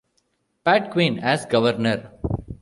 Pat Quinn as governor.